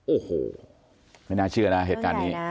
โอ้โหไม่น่าเชื่อนะเหตุการณ์นี้